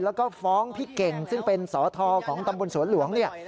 แล้วก็ฟ้องพี่เก่งซึ่งเป็นสอทอของตำบลสวนหลวงเนี่ย